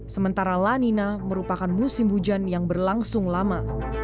sementara la nina merupakan musim hujan yang berlangsung lama